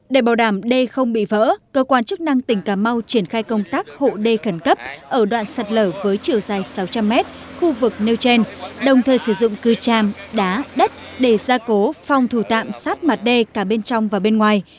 để bảo đảm đê không bị vỡ cơ quan chức năng tỉnh cà mau triển khai công tác hộ đê khẩn cấp ở đoạn sạt lở với chiều dài sáu trăm linh mét khu vực nêu trên đồng thời sử dụng cư tràm đá đất để ra cố phòng thủ tạm sát mặt đê cả bên trong và bên ngoài